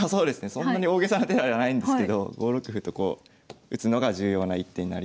そんなに大げさな手ではないんですけど５六歩とこう打つのが重要な一手になります。